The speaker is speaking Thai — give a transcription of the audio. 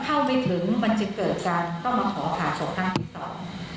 เข้าไปถึงมันจะเกิดการต้องมาขอผ่าศพครั้งที่สอง